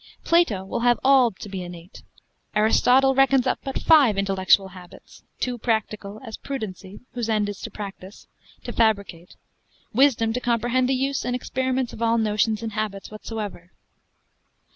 Plato will have all to be innate: Aristotle reckons up but five intellectual habits; two practical, as prudency, whose end is to practise; to fabricate; wisdom to comprehend the use and experiments of all notions and habits whatsoever.